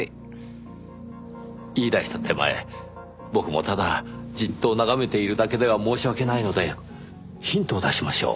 言い出した手前僕もただじっと眺めているだけでは申し訳ないのでヒントを出しましょう。